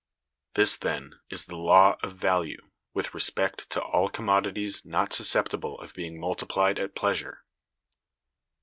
(210) This, then, is the Law of Value, with respect to all commodities not susceptible of being multiplied at pleasure.